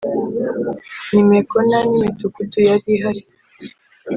n i Mekona n imidugudu yari ihari